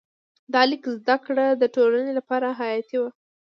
د لیک زده کړه د ټولنې لپاره حیاتي وه.